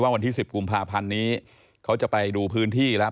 วันที่๑๐กุมภาพันธ์นี้เขาจะไปดูพื้นที่แล้ว